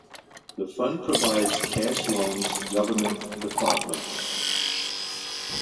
The fund provides cash loans to government departments.